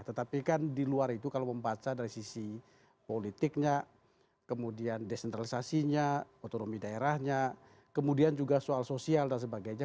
tetapi kan di luar itu kalau membaca dari sisi politiknya kemudian desentralisasinya otonomi daerahnya kemudian juga soal sosial dan sebagainya